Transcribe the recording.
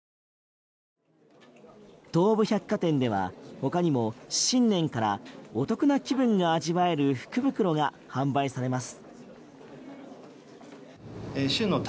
東武百貨店では他にも新年からお得な気分が味わえる福袋が販売されます。